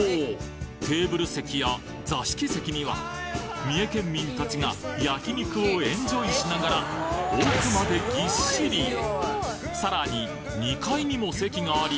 テーブル席や座敷席には三重県民達が焼肉をエンジョイしながら奥までぎっしりさらに２階にも席があり